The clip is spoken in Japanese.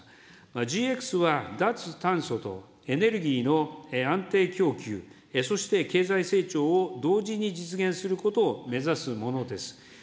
ＧＸは脱炭素と、エネルギーの安定供給、そして経済成長を同時に実現することを目指すものです。